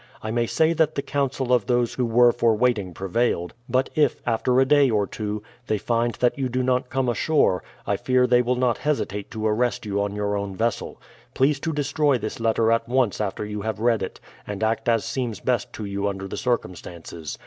I may say that the counsel of those who were for waiting prevailed; but if, after a day or two, they find that you do not come ashore, I fear they will not hesitate to arrest you on your own vessel. Please to destroy this letter at once after you have read it, and act as seems best to you under the circumstances.